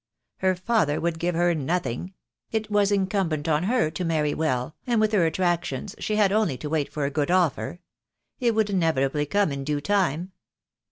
Her father could give her nothing; it was incumbent on her to marry well, and with her attractions she had only to wait for a good offer. It would inevitably come in due time."